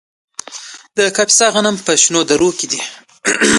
د کاپیسا غنم په شنو درو کې دي.